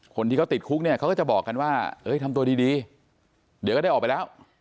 คนที่เขาติดคุกเนี่ยเขาก็จะบอกกันว่าทำตัวดีเดี๋ยวก็ได้ออกไปแล้ว